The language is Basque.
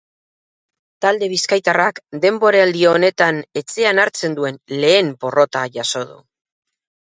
Talde bizkaitarrak denboraldi honetan etxean hartzen duen lehen porrota jaso du.